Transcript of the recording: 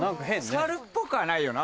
猿っぽくはないよな。